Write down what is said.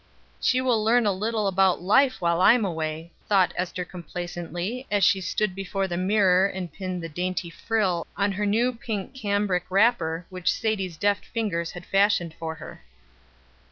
"She will learn a little about life while I am away," thought Ester complacently, as she stood before the mirror, and pinned the dainty frill on her new pink cambric wrapper, which Sadie's deft fingers had fashioned for her.